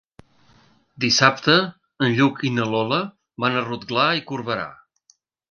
Dissabte en Lluc i na Lola van a Rotglà i Corberà.